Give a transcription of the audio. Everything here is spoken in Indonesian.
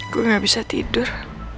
gue gak bisa tidur